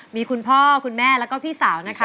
มีคุณพ่อคุณแม่แล้วก็พี่สาวนะคะ